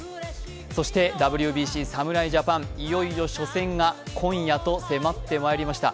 そしてＷＢＣ侍ジャパン、いよいよ初戦が今夜と迫って参りました。